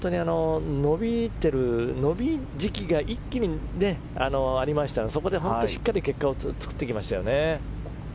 伸び時期が一気にありましたのでそこでしっかり結果を作っていきましたよね。